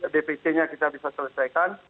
dpc nya kita bisa selesaikan